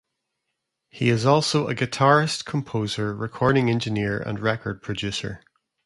He is also a guitarist, composer, recording engineer and record producer.